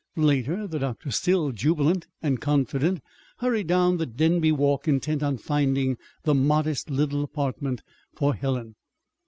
Later, the doctor, still jubilant and confident, hurried down the Denby walk intent on finding the "modest little apartment" for Helen.